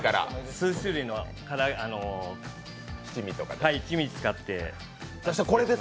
数種類の一味を使って。